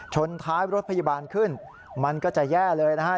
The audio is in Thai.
ชนท้ายรถพยาบาลขึ้นมันก็จะแย่เลยนะฮะ